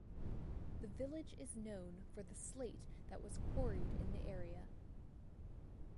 The village is known for the slate that was quarried in the area.